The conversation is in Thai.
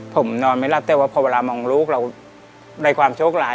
ผมนอนว่าพอมามองลูกพอได้ความโชคหลาย